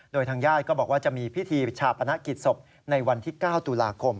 โดยทางญาติก็บอกว่าจะมีพิธีชาปนกิจศพในวันที่๙ตุลาคม